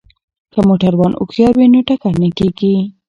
که موټروان هوښیار وي نو ټکر نه کیږي.